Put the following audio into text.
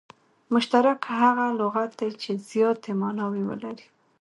مشترک هغه لغت دئ، چي زیاتي ماناوي ولري.